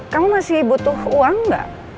kamu masih butuh uang nggak